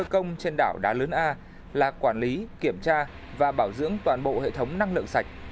công trên đảo đá lớn a là quản lý kiểm tra và bảo dưỡng toàn bộ hệ thống năng lượng sạch